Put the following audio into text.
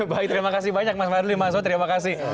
baik terima kasih banyak mas fadli mas so terima kasih